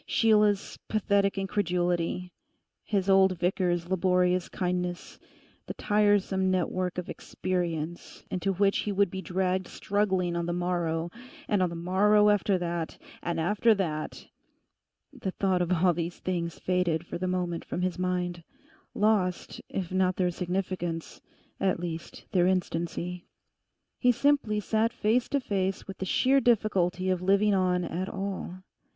Sheila's pathetic incredulity, his old vicar's laborious kindness, the tiresome network of experience into which he would be dragged struggling on the morrow, and on the morrow after that, and after that—the thought of all these things faded for the moment from his mind, lost if not their significance, at least their instancy. He simply sat face to face with the sheer difficulty of living on at all.